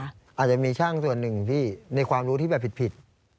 อาจจะมีช่างส่วนหนึ่งที่ในความรู้ที่แบบผิด